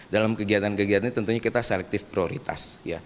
dalam kegiatan kegiatan ini tentunya kita selektif prioritas